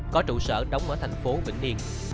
có trụ sở đóng ở thành phố bình yên